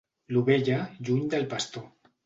L'ovella, lluny del pastor.